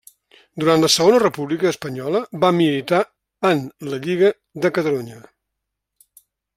Durant la Segona República Espanyola va militar en la Lliga de Catalunya.